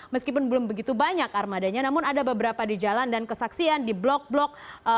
meskipun belum begitu banyak armadanya namun ada beberapa di jalan dan kesaksian di blok blok